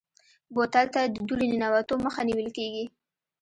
بوتل ته د دوړې ننوتو مخه نیول کېږي.